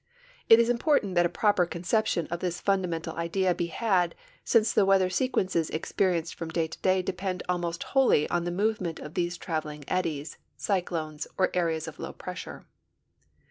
It is important that a proper conception of this fundamental idea be had, since the weather sequences experienced from da}'^ to day depend almost wholly on the movement of these traveling eddies, cyclones, or areas of low pressure.